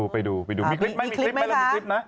ไปดูมีคลิปไหม